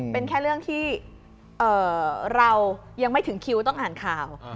เป็นแค่เรื่องที่เรายังไม่ถึงคิวต้องอ่านข่าว